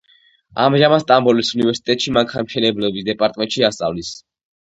ამჟამად სტამბოლის უნივერსიტეტში მანქანათმშენებლობის დეპარტამენტში ასწავლის.